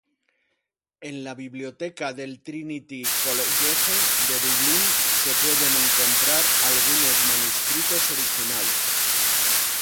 En la biblioteca del Trinity College de Dublín se pueden encontrar algunos manuscritos originales.